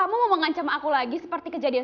kamu mau ngancam aku lagi seperti kejadian